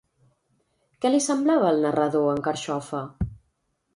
Què li semblava al narrador en Carxofa?